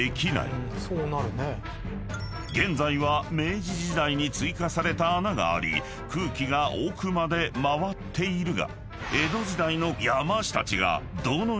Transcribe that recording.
［現在は明治時代に追加された穴があり空気が奥まで回っているが］